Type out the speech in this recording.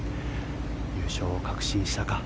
優勝を確信したか。